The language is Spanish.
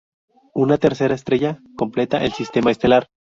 Una tercera estrella completa el sistema estelar.